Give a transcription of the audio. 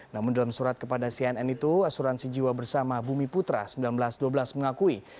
namun dalam surat kepada cnn itu asuransi jiwa bersama bumi putra seribu sembilan ratus dua belas mengakui